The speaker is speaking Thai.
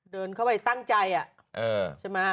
เดินเข้าไปตั้งใจอะ